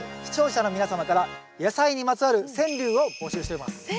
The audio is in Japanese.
視聴者の皆様から野菜にまつわる川柳を募集しております。